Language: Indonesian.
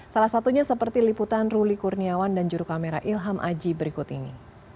salah satunya seperti liputan ruli kurniawan dan juru kamera ilham aji berikut ini